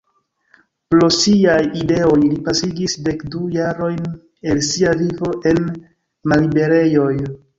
Pro siaj ideoj li pasigis dekdu jarojn el sia vivo en malliberejoj.